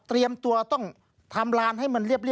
ตะเรียมตัวต้องทำลานให้มันเรียบไว้